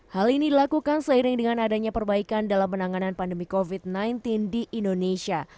hal ini dilakukan seiring dengan adanya perbaikan dalam penanganan pandemi covid sembilan belas di indonesia